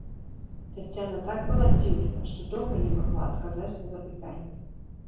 Таццяна так была здзіўлена, што доўга не магла адказаць на запытанні.